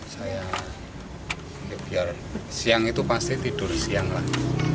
saya biar siang itu pasti tidur siang lah